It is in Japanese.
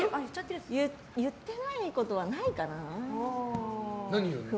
言ってないことはないかな。